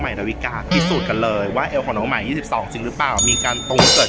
ดาวิกาพิสูจน์กันเลยว่าเอวของน้องใหม่๒๒จริงหรือเปล่ามีการตรงเกิด